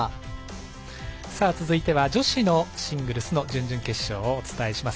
続いては女子のシングルスの準決勝をお伝えします。